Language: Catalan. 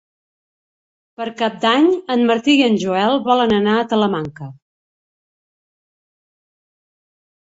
Per Cap d'Any en Martí i en Joel volen anar a Talamanca.